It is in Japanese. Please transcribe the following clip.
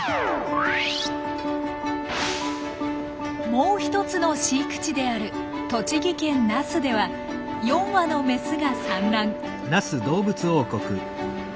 もう一つの飼育地である栃木県那須では４羽のメスが産卵。